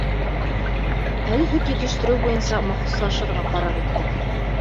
Әле һөт етештереү буйынса махсуслашырға ҡарар иттек.